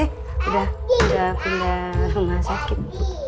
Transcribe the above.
udah udah pindah rumah sakit